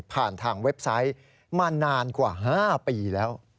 ผ่านทางเว็บไซต์มานานกว่า๕ปีแล้ว